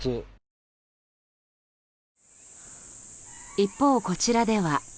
一方、こちらでは。